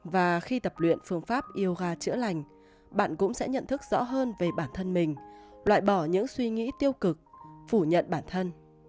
và khi tập luyện phương pháp yoga chữa lành bạn cũng sẽ nhận thức rõ hơn về bản thân mình loại bỏ những suy nghĩ tiêu cực phủ nhận bản thân